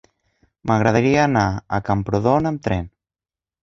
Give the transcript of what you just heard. M'agradaria anar a Camprodon amb tren.